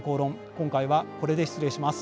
今回はこれで失礼します。